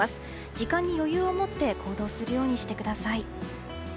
時間に余裕を持って行動するようにしてください。